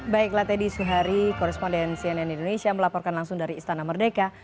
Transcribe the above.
baiklah teddy suhari koresponden cnn indonesia melaporkan langsung dari istana merdeka